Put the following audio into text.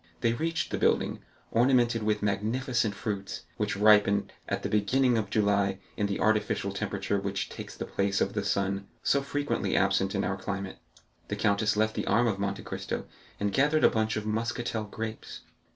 They reached the building, ornamented with magnificent fruits, which ripen at the beginning of July in the artificial temperature which takes the place of the sun, so frequently absent in our climate. The countess left the arm of Monte Cristo, and gathered a bunch of Muscatel grapes.